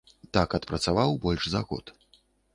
Так адпрацаваў больш за год.